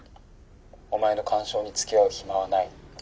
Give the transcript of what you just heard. お前の感傷につきあう暇はない。